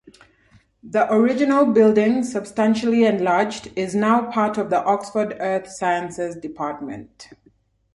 The original building, substantially enlarged, is now part of the Oxford Earth Sciences Department.